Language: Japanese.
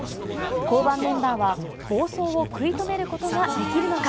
交番メンバーは、暴走を食い止めることができるのか。